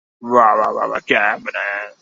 Berkeley's Bancroft Library.